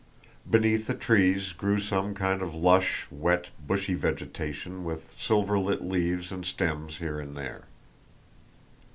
Beneath the trees grew some kind of lush, wet, bushy vegetation with silver lit leaves and stems here and there.